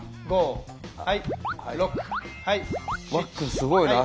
すごいな脚。